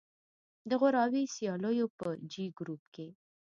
د غوراوي سیالیو په جې ګروپ کې